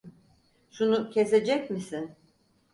Şunu kesecek misin?